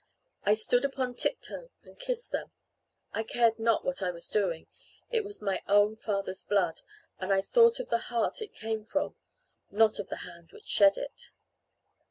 I stood upon tiptoe and kissed them; I cared not what I was doing: it was my own father's blood, and I thought of the heart it came from, not of the hand which shed it.